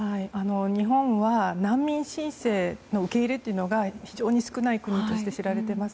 日本は難民申請の受け入れというのが非常に少ない国として知られています。